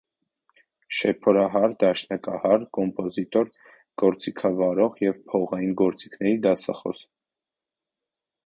Շեփորահար, դաշնակահար, կոմպոզիտոր, գործիքավորող և փողային գործիքների դասախոս։